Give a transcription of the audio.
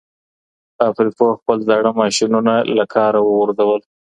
فابريکو خپل زاړه ماشينونه له کاره وغورځول.